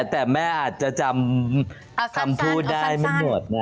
แต่แม่อาจจะจำคำพูดได้ไม่หมด